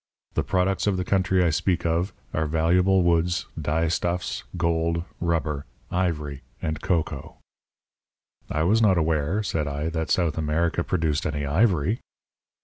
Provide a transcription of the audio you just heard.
The products of the country I speak of are valuable woods, dyestuffs, gold, rubber, ivory, and cocoa." "I was not aware," said I, "that South America produced any ivory."